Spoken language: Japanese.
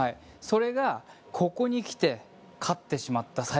それがここにきて勝ってしまった。